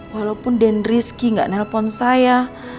walaupun den rizky gak nelfon saya